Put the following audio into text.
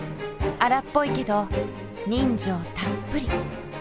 荒っぽいけど人情たっぷり。